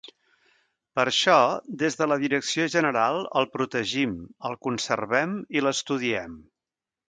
Per això, des de la Direcció General el protegim, el conservem i l'estudiem.